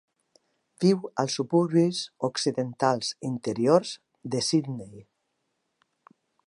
Viu als suburbis occidentals interiors de Sydney.